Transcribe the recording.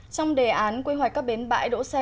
trong đề án quy hoạch các bến bãi đỗ xe